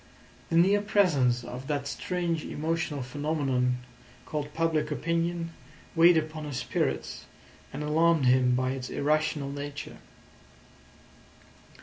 The near presence of that strange emotional phenomenon called public opinion weighed upon his spirits, and alarmed him by its irrational nature.